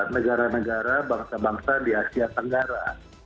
negara negara bangsa bangsa di asia tenggara